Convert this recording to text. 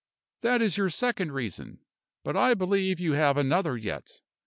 "That is your second reason; but I believe you have another yet.